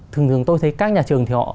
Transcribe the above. thường thường tôi thấy các nhà trường thì họ